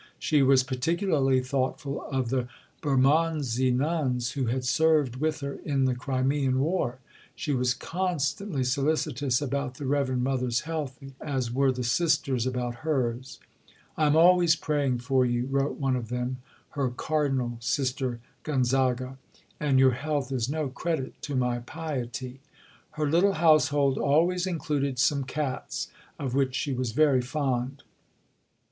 She was particularly thoughtful of the Bermondsey Nuns who had served with her in the Crimean War. She was constantly solicitous about the Reverend Mother's health, as were the Sisters about hers. "I am always praying for you," wrote one of them (her "Cardinal," Sister Gonzaga), "and your health is no credit to my piety." Her little household always included some cats, of which she was very fond.